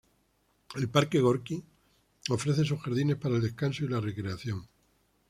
El parque Gorki ofrece sus jardines para el descanso y la recreación.